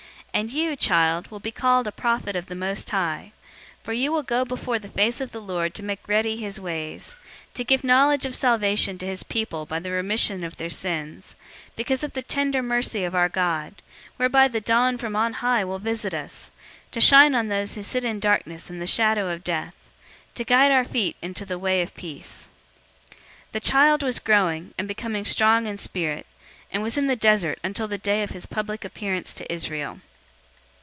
001:076 And you, child, will be called a prophet of the Most High, for you will go before the face of the Lord to make ready his ways, 001:077 to give knowledge of salvation to his people by the remission of their sins, 001:078 because of the tender mercy of our God, whereby the dawn from on high will visit us, 001:079 to shine on those who sit in darkness and the shadow of death; to guide our feet into the way of peace." 001:080 The child was growing, and becoming strong in spirit, and was in the desert until the day of his public appearance to Israel.